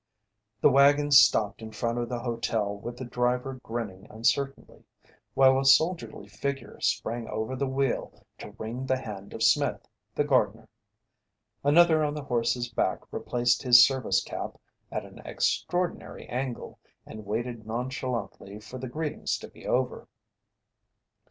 The wagon stopped in front of the hotel with the driver grinning uncertainly, while a soldierly figure sprang over the wheel to wring the hand of Smith, the gardener. Another on the horse's back replaced his service cap at an extraordinary angle and waited nonchalantly for the greetings to be over.